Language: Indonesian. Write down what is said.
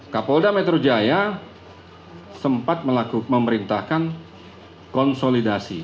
kapolda metro jaya sempat memerintahkan konsolidasi